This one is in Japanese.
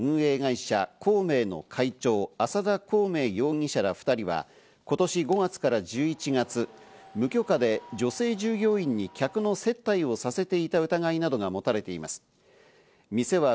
警視庁によりますと、渋谷区道玄坂の風俗店「スッキリ」の運営会社・孔明の会長、浅田孔明容疑者ら２人は今年５月から１１月、無許可で女性従業員に客の接待をさせていた疑いなどが持たれています。